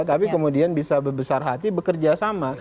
tapi kemudian bisa berbesar hati bekerja sama